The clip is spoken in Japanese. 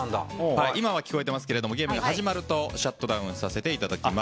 今は聞こえていますがゲームが始まるとシャットダウンさせていただきます。